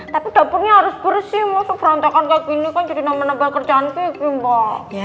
tapi dapurnya harus bersih mah soal perantakan kayak gini kan jadi nama nebal kerjaan kiki mbak